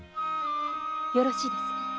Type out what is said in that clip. よろしいですね？